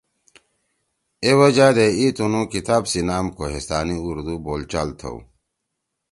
اے وجہ دے ای تُنُو کتاب سی نام ”کوہستانی اردو بول چال“ تھؤ